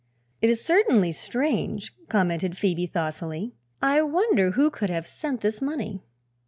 "It is certainly strange," commented Phoebe thoughtfully. "I wonder who could have sent this money?"